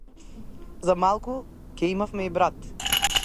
За малку ќе имавме и брат.